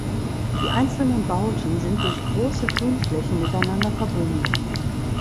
Die einzelnen Bauten sind durch grosse Grünflächen miteinander verbunden.